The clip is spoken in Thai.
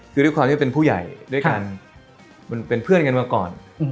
คือด้วยความที่เป็นผู้ใหญ่ด้วยกันเป็นเพื่อนกันมาก่อน